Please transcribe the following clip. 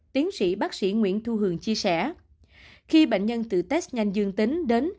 tiến sĩ bác sĩ nguyễn thu hường chia sẻ khi bệnh nhân từ test nhanh dương tính đến